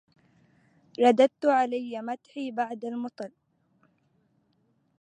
رددت علي مدحي بعد مطل